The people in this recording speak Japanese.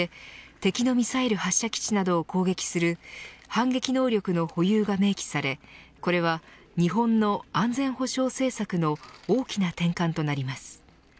敵のミサイル発射基地などを攻撃する反撃能力の保有が明記されこれは日本の安全保障政策の大きな転換となります。